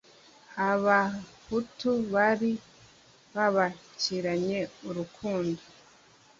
Abahutu bari babakiranye urukundo